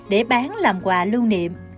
để bán làm quà lưu niệm